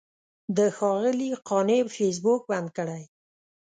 د ښاغلي قانع فیسبوک بند کړی.